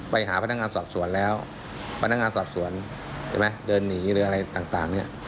ไปหาพนักงานสอบสวนแล้วพนักงานสอบสวนเห็นไหมเดินหนีหรืออะไรต่างเนี่ย